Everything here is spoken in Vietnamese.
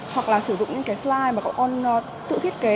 hoặc là sử dụng những slide mà bọn con tự thiết kế